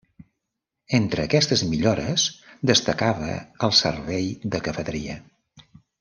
Entre aquestes millores destacava el servei de cafeteria.